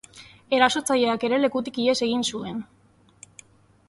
Erasotzaileak ere lekutik ihes egin zuen.